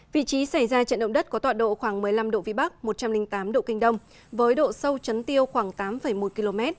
vị trí xảy ra trận động đất có tọa độ khoảng một mươi năm độ vĩ bắc một trăm linh tám độ kinh đông với độ sâu chấn tiêu khoảng tám một km